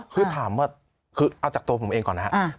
คือถามว่าคือเอาจากตัวผมเองก่อนนะครับ